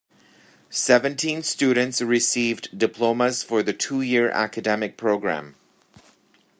Seventeen students received diplomas for the two-year academic program.